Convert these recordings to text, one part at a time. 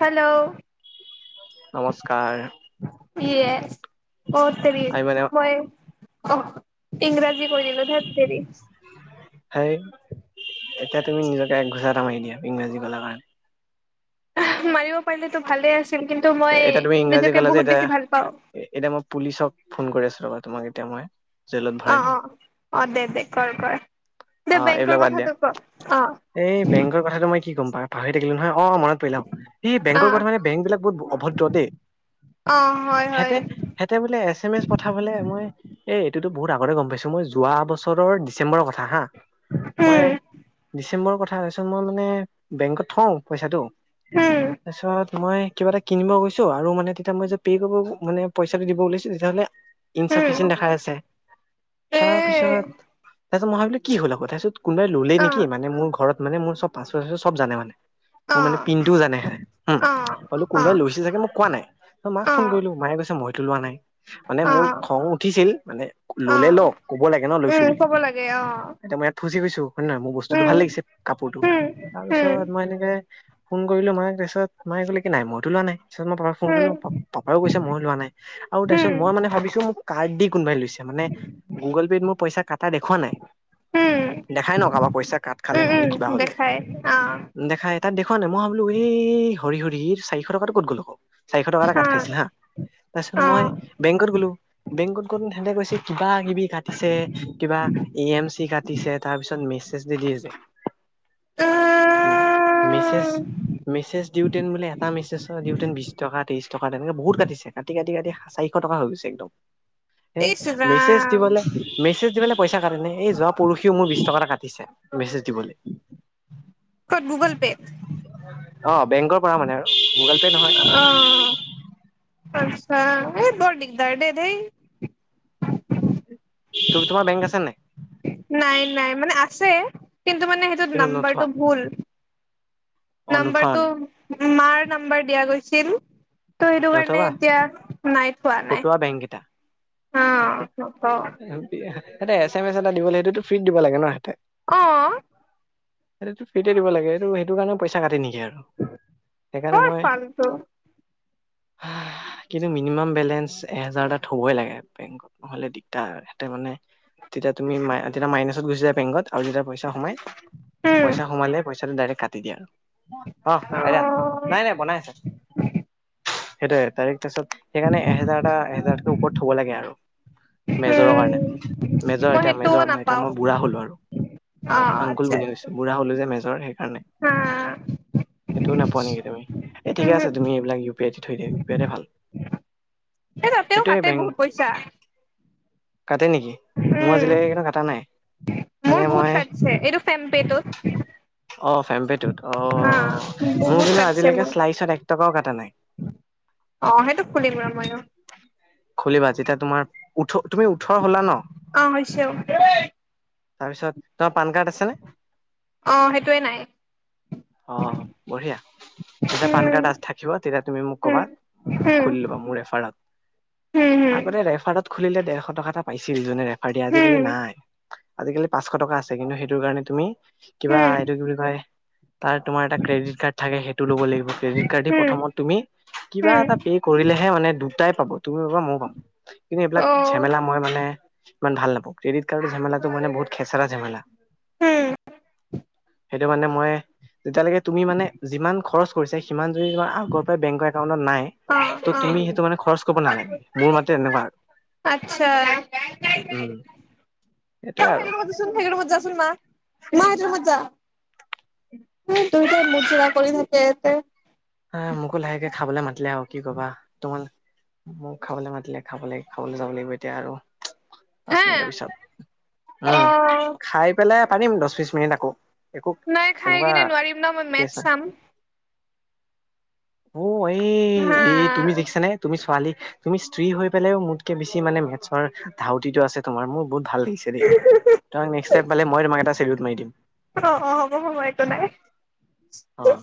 Hello! নমস্কাৰ য়েছ। অ তেৰি, আমি মানে মই অ, ইংৰাজী কৈ দিলো, ধেৎ তেৰি সেই, এতিয়া তুমি নিজকে একঘোচা এটা মাৰি দিয়া, ইংৰাজী ক'লা কাৰণে। মাৰিব পাৰিলেতো ভালে আছে। এতিয়া তুমি ইংৰাজী ক'লা যে, ভাল পাওঁ এতিয়া-এতিয়া মই পুলিচক ফোন কৰি আছো। তোমাক এতিয়া মই জেলত ভৰাই দিম অ-অ-অ, দে-দে, কৰ-কৰ অ, এইবিলাক বাদ দিয়া, এই বেংকৰ কথাটো মই কি গম পাওঁ পাহৰি থাকিলো নহয়, অ, মনত পৰিলে অ, ই অ বেংকৰ কথা মানে বেংকবিলাক বহুত যদি, অ হয় হয় সেতে-সেতে বোলে এচে-মেছ পথাবলৈ মোৰ এই এইটো বহুত আগতে গম পাইছোঁ, মই যোৱা বছৰৰ ডিচেম্বৰ কথা হা, মই উম ডিচেম্বৰ কথা কৈছোঁ, মই মানে বেংকত থও পইচাটো, উম তাৰপিছত মই কিবা এটা কিনিব গৈছো, আৰু মানে তেতিয়া মই যে পে' কৰিব মানে পইচাটো দিব ওলাইছো, তেতিয়া হ'লে ইনচাফিছিং উম দেখাই আছে, এ তাৰপিছত তাৰপিছত মই ভাবিলো কি হ'ল আক, তাৰ পিছত কোনোবাই ললেই অ নেকি, মানে মোৰ ঘৰত মানে মোৰ চব পাছপৰ্ট চব জানে মানে অ মোৰ অ মানে পিন্টো জানে সে, হুম অলপ অ কোনোবাই লৈছে চাগে মোক কোৱা নাই, ত মাক অ ফোন কৰিলো, মায়ে কৈছে মইতো লোৱা নাই। মানে অ মোৰ খং উঠিছিল, মানে অ ল'লে ল', কব লাগে ন লৈছো উম বুলি। ক'ব লাগে অ [unintelligible] মই ইয়াত ফচি গৈছো, হয় নে নহয়, মোৰ বস্তুটো উম ভাল লাগিছে কাপোৰটো, উম তাৰ উম পিছত মই এনেকে ফোন কৰিলো মায়ে, তাৰপিছত মায়ে ক'লে কি নাই মইতো লোৱা নাই। তাৰপিছত মই পাপাক ফোন কৰিলো, উম পাপায়ো কৈছে মই লোৱা নাই, আৰু তাৰপিছত উম মই মানে ভাবিছোঁ মোক কাৰ্ড দি কোনোবাই লৈছে, মানে গুগল পে'ত মই পইচা কাটা দেখুওৱা নাই। উম দেখাই ন কাৰোবাৰ পইচা কাট খালে, উম নহ'লে উম কিবা হলে, দেখাই আহ দেখাই তাত দেখুওৱা নাই, মই ভাবিলো এই হৰি-হৰি এইটো চাৰিশ টকাটো ক'ত গ'ল আক? চাৰিশ টকা এটা কাট খাইছিল হা তাৰপিছত অ মই বেংকত গ'লো, বেংকত গ'লো সেহেতে কৈছে কিবা-কিবি কাটিছে, কিবা ই-এম-চি কাটিছে, তাৰ পিছত মেছেজ দি দিয়ে যে উম, মেছেজ-মেছেজ দিওঁতে বোলে এটা মেছেজ দিওঁতেন বিশ টকা ত্ৰিশ টকা তেনেকে বহুত কাটিছে কাটি-কাটি-কাটি চাৰিশ টকা হৈ গৈছে একদম হে ইচ মেছেজ ৰাম দিবলে, মেছেজ দিবলে পইচা কাটে নে এই যোৱা পৰহিও মোৰ বিশ টকা কাটে দিছে ক'ত গুগল পে'ত অহ বেংকৰ পৰা মানে আৰু গুগল পে নহয় অহ আচ্ছা এ বৰ দিগদাৰ দে দেই তো তোমাৰ বেংক আছে নাই নাই নাই মানে আছে কিন্তু মানে সেইটোত কিন্তু নোথোৱা নাম্বাৰটো ভুল। অ নোথোৱা নম্বাৰটো মানে মাৰ নম্বৰ দিয়া গৈছিল তো সেইটো কাৰণে নথবা এতিয়া নাই থোৱা নাই ফটোৱা বেংক কেইটা অ [unintelligible] নথও সিহঁতে এছএমএছ এটা দিবলৈ সেইতো ফ্ৰীত দিব লাগে ন সিহঁতে, অ সেইটো ফ্ৰীতে দিব লাগে এইটো সেইটো কাৰণে পইচা কাটে নেকি কে আৰু সেইকাৰণে বৰ মই ফাল্টু কিন্তু মিনিমাম বেলেঞ্চ এহেজাৰটা থই লাগে বেংকত নহলে দিগদাৰ হেতে মানে তেতিয়া তুমি মাই তেতিয়া মাইনাচত গুচি যায় বেংকত, আৰু যেতিয়া পইচা সোমাই উম পইচা সোমালে পইচাটো ডাইৰেক্ট কাটি দিয়ে আৰু অহ আইতা অ নাই-নাই বনাই আছে সেইটোৱেই সেইটোৱে তাৰিখ তাৰপিছত সেইকাৰণে এহেজাৰ এটা এহেজাৰৰ ওপৰত থব লাগে আৰু মেজৰৰ উম, কাৰণে মেজৰ মই এতিয়া সেইটোও মেজৰ নহয় এতিয়া নাপাও মই বুঢ়া হ'লো আৰু অ', আংকুল আচ্ছা বুলি আচ্ছা। কৈছো বুঢ়া হলো যে মেজৰ সেইকাৰণে হা সেইটোও নোপোৱা নেকি তুমি এই ঠিকে আছে উম, তুমি এইবিলাক ইও এও পি আই দিয়ে বিয়াটে ভাল এই তাতেও সেইটোৱেই কাটে বেংক বহুত পইচা কাটে নেকি? মোৰ উম। আজিলৈকে কিন্তু কটা নাই মোৰ মানে বহুত মই কাটিছে এই ফাম্মপে টো অ ফেম্পেটোত অ মোৰ বহুত কিন্তু কাটছে আজিলৈকে মোৰ। শ্লাইছত এক টকাও কটা নাই। অ সেইটো খুলিম ৰ ময়ো। খলিবা যেতিয়া তোমাৰ ওঠ তুমি ওঠৰ হ'লা অ', ন। হৈছে তাৰপিছত তোমাৰ পান কাৰ্ড আছে নে? অ সেইটোয়ে নাই অ বঢ়িয়া। তেতিয়া পান উম। কাৰ্ড আ থাকিব তেতিয়া তুমি মোক কবা উম, উম, খুলি ল'বা মোৰ এৰেফাৰত। উম, আগতে ৰেফাৰত খুলিলে ডেৰশ টকা এটা পাইছিল যোনে ৰেফাৰিয় আজিকালি উম, নাই। আজিকালি পাঁচশ টকা আছে কিন্তু সেইটো কাৰণে তুমি কিবা উম, উম, এইটো কি বুলি কয় তাৰ তোমাৰ এটা ক্ৰেডিট কাৰ্ড থাকে সেইটো ল'ব লাগিব, ক্ৰেডিট কাৰ্ড দি প্ৰথম তুমি কিবা উম। এটা পে কৰিলে এ মানে দুটাই পাব তুমি পাবা মই পাব কিন্তু এইবিলাক অ', ঝেমেলা মই মানে ইমান ভাল নাপওঁ, ক্ৰেডিট কাৰ্ডৰ ঝেমেলটো মানে বহুত খেচৰা ঝেমেলা। উম, সেইটো মানে মই যেতিয়ালৈকে তুমি মানে যিমান খৰচ কৰিছা সিমান যদি তাৰ আগৰাই বেংকৰ একাউণ্টত নাই অ', অ', ত তুমি সেইটো মানে খৰচ কব নালাগে, মোৰ মতে এনেকুৱা। আচ্ছা সেইটো উম সেইটোয়ে আৰু ৰোমত যাচোন, সেইটো ৰোমত যাচোন, মা সেইটো যা টা অ দুটাই মুযুৰা কৰি থাকে ইয়াতে। মোকো লাহেকে খাবলৈ মাতিলে আও। কি কবা তোমাৰ মোক খাবলৈ মাতিলে খাব লাগে খাবলৈ যাব লাগিব এতিয়া আৰু। পাঁচ হা মিনিটৰ পিছত, উম অ' খাই পেলাই পাৰিম দহ, বিশ মিনিট আকৌ। একো নাই খাই তেনেকুৱা কিনে নোৱাৰিম ন মই কেছ নাই মেথছ চাম। অ এই হা এই তুমি দেখিছানে নে তুমি ছোৱালী তুমি স্ত্ৰী হৈ পেলাইও মোতকে বেছি মানে মেথছৰ ধাউতিটো আছে তোমাৰ, মোৰ বহুত ভাল লাগিছে দেই, তোমাক নেক্স টাই পালে মই তোমাক এটা চেলউত মাৰি দিম। অ' অ' হ'ব হ'ব একো নাই অ-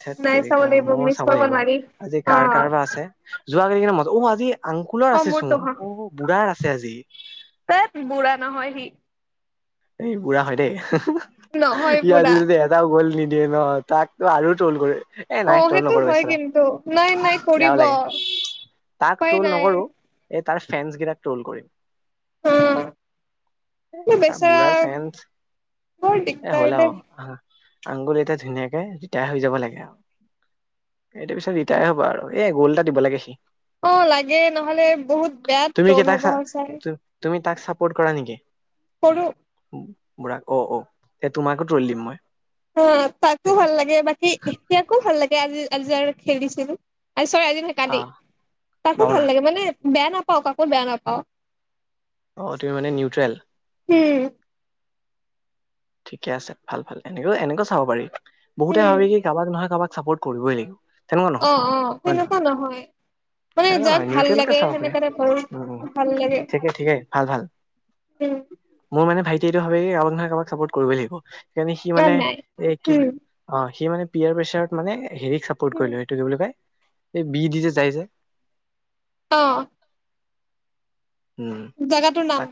ঠেইত নাই চাব তেৰিকা লাগিব ময় মিছ চাব কৰিব লাগিব নোৱাৰি। আজি কাৰ অ' কাৰ বা আছে [unintelligible] [unintelligible] আংকুলৰ অ' আছে চোন মোৰতো হ অ বুঢ়াৰ আছে আজি ধেত বুঢ়া নহয় সি এই বুঢ়া হয় দেই নহয় ই বুঢ়া। আজিতে এটাও গ'ল নি দিয়ে ন তাকো আৰু তটোল কৰে। এ নাই অ' তল সেইটো নকৰো হয় বিচৰা কিন্তু নাই নাই বেয়াও কৰিব লাগে। তাক উপায় তল নাই। নকৰো এই তাৰ ফ্ৰেণ্ড গীতাক ট্ৰলছ কৰিম। অ' তাৰ বেচেৰা বুঢ়াৰ ফ্ৰেণ্ড বৰ এ দিগদাৰ হ'ল অ দে। আহা আংকুল এতিয়া ধুনীয়াকে ৰিটায়াৰ হৈ যাব লাগে আৰু এটো পিছত ৰিটায়াৰ হ'ব আৰু এ গ'ল্ড এটা দিব লাগে সি। অ লাগে, নহলে বহুত বেয়া তুমি কি ট্ৰল তাক হ'ব ছাৰ। তুমি তাক ছাপৰ্ট কৰা নেকি? কৰোঁ। বুঢ়া ক অ এ তোমাকো ট্ৰল দিম মই। অ তাকো ভাল লাগে বাকী এতিয়াকো ভাল লাগে আজি আজি খেলিছিলো আ চৰী আজি নহয় অ কালি, কাকো ভাল বাবনা লাগে মানে বেয়া নাপাও কাকো বেয়া নাপাও। অ তুমি মানে নিউট্ৰেল। উম ঠিকে আছে ভাল ভাল এনেকও এনেক চাব পাৰি বহুতে উম ভাবি কি কাৰোবাক নহয় কাৰোবাক ছাপৰ্ট কৰিবই লাগিব। তেনেকুৱা অ নহয় অ হেনেকুৱা নহয়। মানে তেনেকুৱা যাক নহয় ভাল নিউট্ৰেলকে লাগে চাব পাৰে হেনেকা টাইপৰ উম উম ভাল লাগে। ঠিকে ঠিকে ভাল ভাল উম মোৰ মানে ভাইট স এইটো ভাবে কি কাৰবাক নহে কাৰোবাক চাপৰ্ট কৰিবই লাগিব সেইকাৰণে সি অ মানে নাই এই কি অ সি মানে পিয়াৰ প্ৰেচাৰত মানে হেৰিক চাপৰ্ট উম কৰিলো সেইটো কি বুলি কৈ? সেই বি দিজে জাইজে। অ উম জাগাটোৰ নাম তাক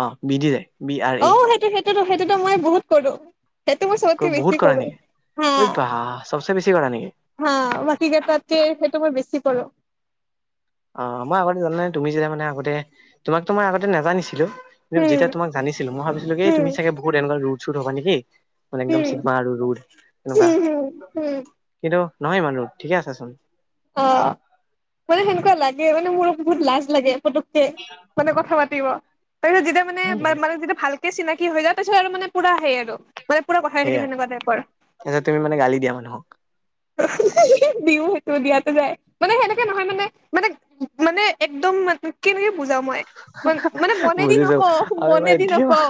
অ বিধি যায় বি আৰ অ এ সেইটো সেইটোতো সেইটোতো মই বহুত কৰো, সেইটো মই চবতকে বহুত বেছি কৰা কৰো। নেকি হা ঐ বাহ চবচে বেছি কৰা নেকি হা বাকি কেইটাতকে সেইটো মই বেছি কৰো। অ মই আগতে জানা নাই, তুমি যেতিয়া মানে আগতে তোমাক তো মই আগতে নাজানিছিলো। উম যেতিয়া তোমাক জানিছিলোঁ মই ভাবছিলো কি উম তুমি চাগে বহুত এনেকোৱা ৰোড চুড হবা নেকি। মানে একদম উম চিগমা আৰু ৰুধ তেনকা, উম উম উম কিন্তু নহয় ইমান ৰোড ঠিকে আছাচোন অ মানে সেনেকুৱা লাগে মানে মোৰ বহুত লাজ লাগে পতুককে মানে কথা পাতিব তাৰপিছত যেতিয়া মানে হয় নেকি মানে যেতিয়া ভালকে চিনাকি হৈ যায় তাৰিছত আৰু মানে পুৰা হেই আৰু মানে পুৰা পঠাই থাকিম সেয়া তেনেকুৱা টাইপৰ। তাৰপিছত তুমি মানে গালি দিয়া মানুহক [unintelligible] দিয়া টো যায়, মানে সেনেকে নহয় মানে, মানে মানে একদম ম কেনেকে বুজা মই ম মানে মনেদি বুজিছো নকওঁ আমি মানে মনেদি ধেমা নকওঁ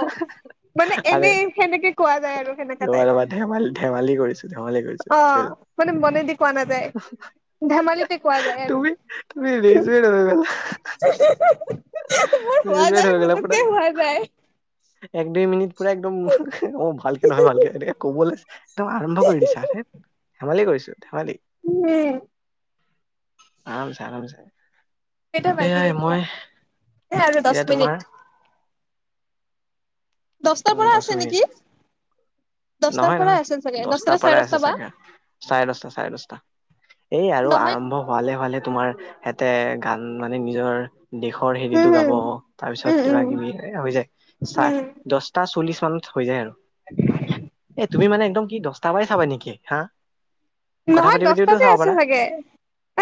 মানে এনে আৰে হেনেকে কোৱা যায় আৰু সেনেকা ৰবা টাইপ ৰবা ধেমালি ধেমালি কৰিছো ধেমালি কৰিছো অ মানে মনেদি কোৱা নাযায় ধেমালিতে কোৱা যায় আৰু। তুমি তুমি ৰেজুৱেট হৈ গলা মোৰ হোৱা ৰেজুৱেট যায় হৈ গলা পুৰা পতককে হোৱা যায়। এক দুই মিনিট পুৰা একদম অ ভালকে নহয় ভালকে ক' ব। একদম আৰম্ভ কৰি দিছা ধেইত ধেমালি কৰিছো ধেমালি উম। আৰামচে আৰামচে কেইটা বাজিল এয়াই এতিয়া মই এ আৰু দহ এতিয়া মিনিট। তোমাৰ দছটাৰ উম পৰা দহ আছে মিনিট নেকি? দহটাৰ নহয় পৰাই নহয় আছিল চাগে দহটা দছটাৰ নে চাৰে পৰাই দহটা আছে বা চাগে চাৰে দছটা চাৰে দশটা। এই আৰু নহয় আৰম্ভ হোৱালে হোৱালে তোমাৰ সিহঁতে গান মানে নিজৰ দেশৰ উম হেৰিটো গাব হম তাৰ উম পিছত উম কিবা কিবি হৈ যায় চ উম দহটা চল্লিশ। হৈ যায় আৰু এ তুমি মানে একদম কি দহটা পৰাই চাবা নেকি হা। কথা নহয় পাতি পাতিওতো দহটাতে চাব আছে পাৰা চাগে,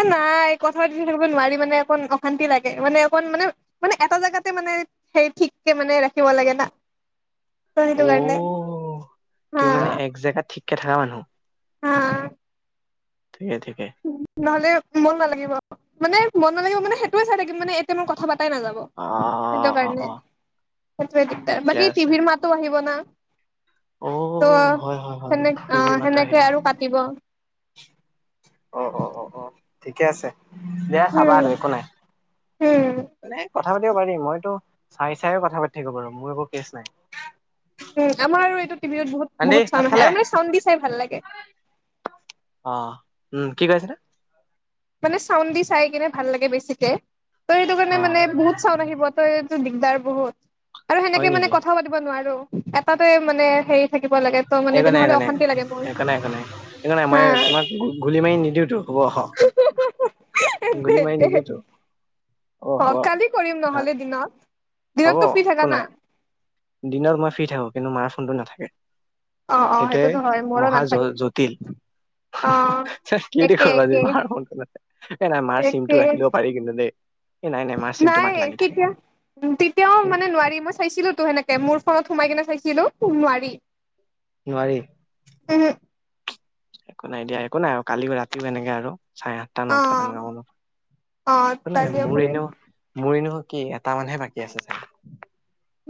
এ নাই কথা পাতি থাকিব নোৱাৰি। মানে অকণ অশান্তি লাগে মানে অকণ মানে মানে এটা জেগাতে মানে সে ঠিককে মানে ৰাখিব লাগে না ত অ সেইটো কাৰণে হা তুমি মানে এক জেগাত ঠিককে থকা মানুহ হা ঠিকে ঠিকে নহলে মন নালাগিব মানে মন নালাগিব মানে সেইটোয়ে চাই থাকিম মানে এতিয়া মই কথা পাতি তাই নাযাব, অ সেইটো অ কাৰণে অ সেইটোৱে দিগদাৰ ঠিকে বাকী আছে টিভিৰ মাতো আহিব না। অ ত হয় হয় হয় সেনে টিভি অহ মাতো আহিব সেনেকে আৰু কাটিব। অ অ অ অ ঠিকে আছে। দে চাবা উম আৰু একো নাই উম কথা পাতিব পাৰি মইতো চাই চাই কথা পাতি থাকিব বাৰু মোৰ একো কেছ নাই। উম আমাৰ আৰু এইটো টিভিত বহুত আন্টি বহুত ভাত চাউন আহে খালে আৰু মানে চাউন দি চাই ভাল লাগে অ উম কি কৈ আছিলা মানে চাউণ্ড দি চাই কিনে ভাল লাগে বেছিকে তই সেইটো কাৰণে অ মানে বহুত চাউন আহিব তই এইটো দিগদাৰ বহুত আৰু হয় সেনেকে মানে নেকি কথাও পাতিব নোৱাৰো এটাতে মানে হেৰি থাকিব লাগে ত মানে একো নাই তেনেহ'লে একো নাই, অশান্তি লাগে মোৰ একো নাই একো নাই একো নাই মই হা তোমাক গু গুলি মাৰি নিদিওঁতো হ'ব। [unintelligible] দে গুলি মাৰি দে, নিদিওতো অ কালি কৰিম নহ'লে দিনত। হ'ব দিনত তো ফ্ৰী একো থাকা না নাই দিনত মই ফ্ৰী থাকো কিন্তু মাৰ ফোনটো নেথাকে অ অ সেইটোৱে সেইটোতো হয় মোৰো মহা জ নাথাকে জটিল অ হোমহ হোমহ কিদি একে কৰিবা য একে মাৰ ফোনটো ন এ নাই মাৰ একে চিমটো ৰাখি দিব পাৰি কিন্তু দেই এই নাই মাৰ চিমটো নাই মাক লাগি থাকে তেতিয়া তেতিয়াও মানে নোৱাৰি মই চাইছিলো তো সেনেক কে মোৰ ফোনত সোমাই কিনে চাইছিলো নোৱাৰি। নোৱাৰি উহো একো নাই দিয়া একো নাই আৰু কালি ৰাতিও এনেকে আৰু চাৰে আঠটা অ নটা তেনেকুৱা অ মানত নাই কালিও মোৰ কৰিম এনেও মোৰ এনেও বাকী এটা মানহে বাকী আছে চাগে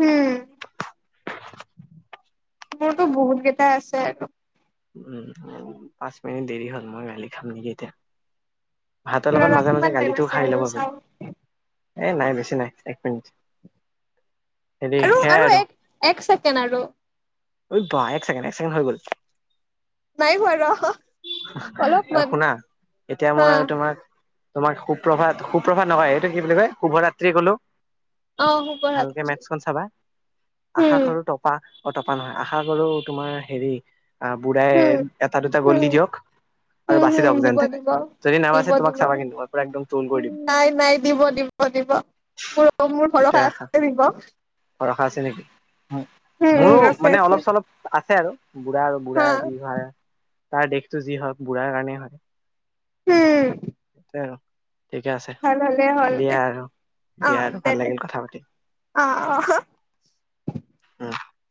উম মোৰতো বহুত কেইটা আছে উম পাঁচ মিনিট দেৰি হ'ল মই গালি খাম নেকি এতিয়া ভাতৰ ৰ লগত ৰ মাজে কিমান মাজে টাইম গালিটোও আছে খাই আৰু ল'ব চাও এই নাই বেছি নাই এক মিনিট হেৰি আৰু সেয়াই আৰু এক এক ছেকেণ্ড আৰু ঐ বাহ, এক ছেকেণ্ড এক ছেকেণ্ড হৈ গ'ল নাই হোৱা ৰহ শুনা এতিয়া হা মই আৰু তোমাক তোমাক সুপ্ৰভাত সুপ্ৰভাত নকয় এইটো কি বুলি কয় শুভৰাত্ৰি কলো। অ ভালকে শুভৰাত্ৰি মেথছখন চাবা আশা উম, কৰোঁ টপা অ টপা নহয় আশা কৰোঁ তোমাৰ হেৰি আ বুঢ়াই এটা দুটা গল দি দিয়ক আৰু হোম বাচি হোম যাওক যেন দিব তেনে দিব। যদি দিব নাবাচে তোমাক দিব, চাবা কিন্তু মই পুৰা একদম ট্ৰল কৰি দিম নাই নাই দিব দিব দিব মোৰ মোৰ ভৰশা আছে দিব ভৰশা আছে নেকি উম, মোৰো উম, আছে মানে আছে। অলপ চলপ আছে আৰু বুঢ়া আৰু হা, বুঢ়া যি হয় তাৰ দেশটো যি হয় বুঢ়াৰ কাৰণে হয় উম সেইটোৱে আৰু ঠিকে আছে ভাল হ'লে হ'ল দে, দিয়া আৰু দিয়া অ', আৰু দে ভাল দে, লাগিল কথা পাতি, অ', অ'। উম